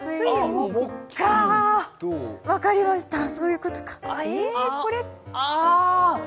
分かりました、そういうことか。